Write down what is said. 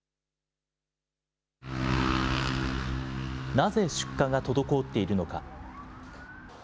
なぜ出荷が滞っているのか。